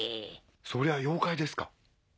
そりゃ妖怪ですか？